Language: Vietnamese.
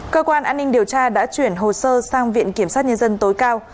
cơ quan an ninh điều tra đã chuyển hồ sơ sang viện kiểm sát nhân dân tối cao